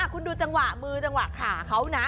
คุณดูจังหวะมือจังหวะขาเขานะ